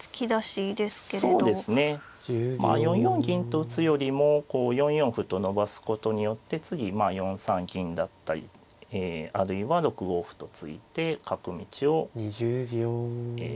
まあ４四銀と打つよりもこう４四歩と伸ばすことによって次まあ４三銀だったりええあるいは６五歩と突いて角道をええ